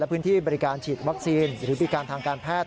พื้นที่บริการฉีดวัคซีนหรือพิการทางการแพทย์